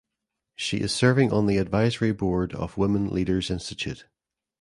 She is serving on the advisory board of "Women Leaders Institute".